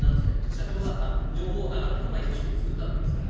社長が情報が上がってこない組織を作ったわけですから。